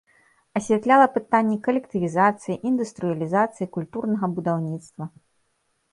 Асвятляла пытанні калектывізацыі, індустрыялізацыі, культурнага будаўніцтва.